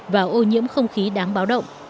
và ô nhiễm không khí đáng báo động